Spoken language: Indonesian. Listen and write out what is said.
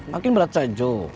makin berat saja